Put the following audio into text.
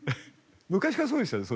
昔からそうでしたね